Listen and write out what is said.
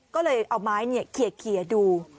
ก็เลยเอาไม้เนี่ยเคียดดู